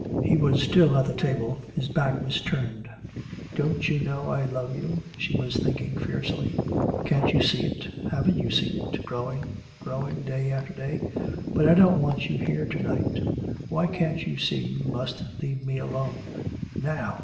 He was still at the table, his back was turned. "Don't you know I love you?" she was thinking fiercely. "Can't you see it haven't you seen it growing, growing day after day? But I don't want you here to night! Why can't you see you must leave me alone? Now!